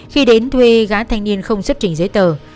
khi đến thuê gã thanh niên không xuất trình giấy tờ